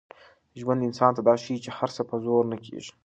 ژوند انسان ته دا ښيي چي هر څه په زور نه کېږي.